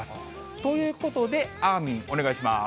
ということで、あーみん、お願いします。